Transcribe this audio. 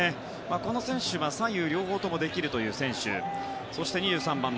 この選手は左右両方ともできる選手。